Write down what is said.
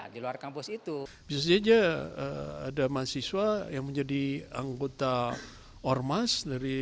bisa saja ada mahasiswa yang menjadi anggota ormas